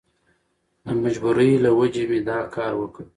د مجبورۍ له وجهې مې دا کار وکړ.